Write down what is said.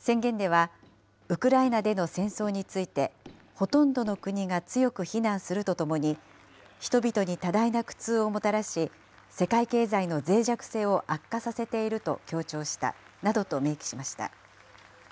宣言ではウクライナでの戦争について、ほとんどの国が強く非難するとともに、人々に多大な苦痛をもたらし、世界経済のぜい弱性を悪化させていると強調したなどと明記しました。